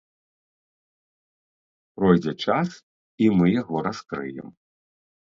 Пройдзе час, і мы яго раскрыем.